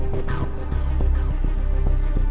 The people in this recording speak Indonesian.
aku mau main ke rumah intan